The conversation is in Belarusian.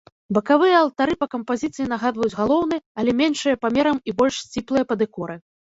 Бакавыя алтары па кампазіцыі нагадваюць галоўны, але меншыя памерам і больш сціплыя па дэкоры.